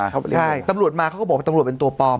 เขาไปเรียกตำรวจมาใช่ตำรวจมาเขาก็บอกว่าตำรวจเป็นตัวปอม